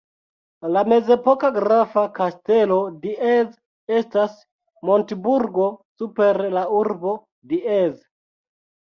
La mezepoka grafa kastelo Diez estas montburgo super la urbo Diez.